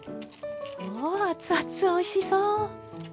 うわ熱々おいしそう！